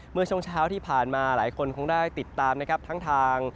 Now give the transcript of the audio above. เมื่อช่วงเช้าที่ผ่านมาหลายคนคงได้ติดตามนะครับทั้งทาง